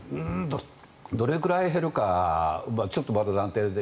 どれくらい減るかちょっとまだ断定は。